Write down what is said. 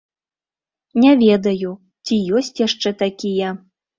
Не ведаю, ці ёсць яшчэ такія.